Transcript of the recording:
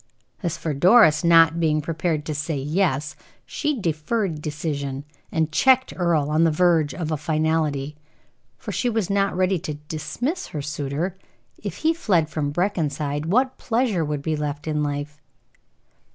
As for Doris not being prepared to say "yes," she deferred decision, and checked Earle on the verge of a finality, for she was not ready to dismiss her suitor. If he fled from Brackenside, what pleasure would be left in life?